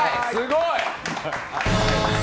すごい！